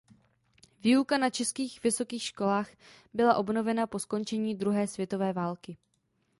Výuka na českých vysokých školách byla obnovena po skončení druhé světové války.